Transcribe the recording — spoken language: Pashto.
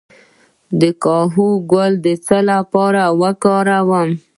د کاهو ګل د څه لپاره وکاروم؟